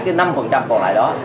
cái năm còn lại đó